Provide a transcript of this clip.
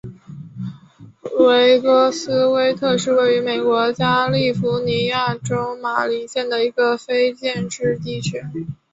这两座塔设计成可以抵御核爆。